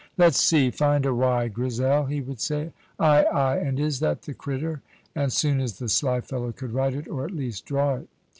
"Let's see 'Find a wy,' Grizel," he would say. "Ay, ay, and is that the crittur!" and soon the sly fellow could write it, or at least draw it.